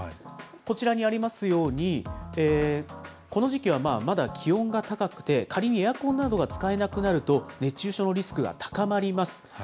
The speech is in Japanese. こちらにありますように、この時期はまだ気温が高くて、仮にエアコンなどが使えなくなると熱中症のリスクが高まります。